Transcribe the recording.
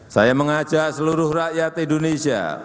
saya mengajak seluruh rakyat indonesia